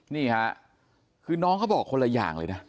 นี่ค่ะคือน้องเขาบอกคนละอย่างเลยนะ